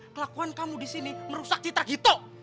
kelakuan kamu disini merusak cita gito